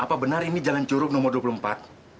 apa benar ini jalan curug nomor dua puluh empat